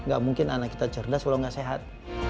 gak mungkin anak kita cerdas kalau nggak sehat